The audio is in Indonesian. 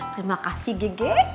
terima kasih gege